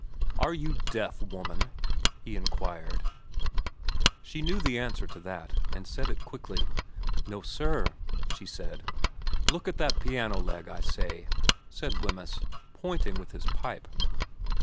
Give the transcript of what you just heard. * Are you deaf, woman ?' he inquired. She knew the answer to that, and said it quickly. ' No sir,' she said. ' Look at that piano leg, I say,' said Wemyss, pointing with his pipe.